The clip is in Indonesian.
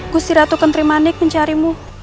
gusiratu kentri manik mencarimu